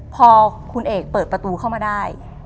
พอคุณเอกเปิดประตูเข้ามาได้